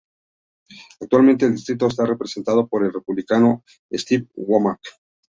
Actualmente el distrito está representado por el Republicano Steve Womack.